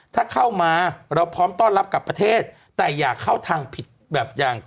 ถ้าเข้ามาเราพร้อมต้อนรับกลับประเทศแต่อย่าเข้าทางผิดแบบอย่าง